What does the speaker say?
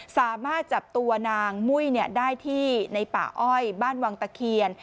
สามารถจับตัวนางมุ้ยได้ที่ในป่าอ้อยบ้านวังตะเคียน